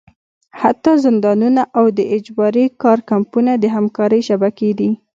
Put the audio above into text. حتی زندانونه او د اجباري کار کمپونه د همکارۍ شبکې دي.